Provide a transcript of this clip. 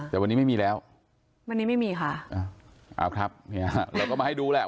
แต่วันนี้ไม่มีแล้ววันนี้ไม่มีค่ะเอาครับเนี่ยเราก็มาให้ดูแหละ